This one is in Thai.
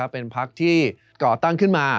เป็นพักที่ก่อตั้งขึ้นมา